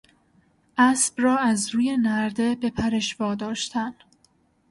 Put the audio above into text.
اسب را از روی نرده به پرش واداشتن